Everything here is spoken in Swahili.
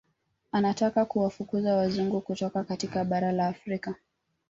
Anataka kuwafukuza Wazungu kutoka katika bara la Afrika